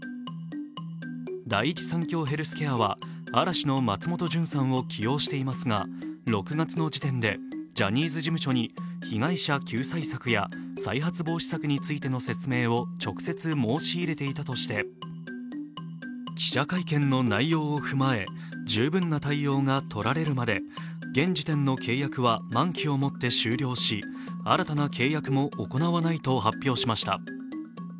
第一三共ヘルスケアは、嵐の松本潤さんを起用していますが、６月の時点でジャニーズ事務所に被害者救済策や再発防止策についての説明を直接、申し入れていたとして、記者会見の内容を踏まえ、十分な対応がとられるまで現時点の契約は満期を持って終了し、新たな契約も行わないと発表しました。